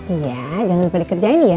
iya jangan lupa dikerjain ya